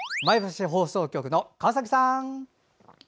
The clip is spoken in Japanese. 前橋放送局の川崎さん！